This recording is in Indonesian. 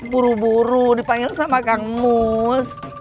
buru buru dipanggil sama kang mus